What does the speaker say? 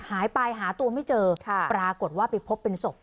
หายไปหาตัวไม่เจอปรากฏว่าไปพบเป็นศพ